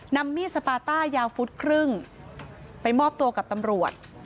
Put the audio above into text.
นำมีดสปาต้ายาวฟุตครึ่งไปมอบตัวกับตำรวจ